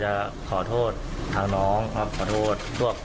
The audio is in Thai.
จะขอโทษทางน้องครับขอโทษพวก